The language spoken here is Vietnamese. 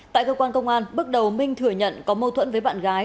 tại cơ quan công an bước đầu minh thừa nhận có mâu thuẫn với bạn gái